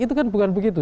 itu kan bukan begitu